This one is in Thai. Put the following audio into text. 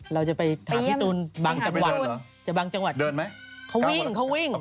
เราจะไปถามพี่ตุ๋นบางจังหวัดเดินไหมเขาวิ่ง